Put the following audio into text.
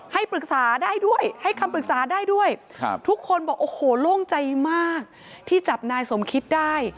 ให้ปรึกษาได้ด้วยให้คำปรึกษาได้ด้วยทุกคนบอกโอ้โหโล่งใจมากที่จับนายสมคิดได้